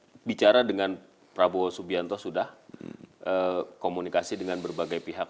saya bicara dengan prabowo subianto sudah komunikasi dengan berbagai pihak